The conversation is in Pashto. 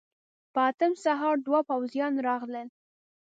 په اتم سهار دوه پوځيان راغلل.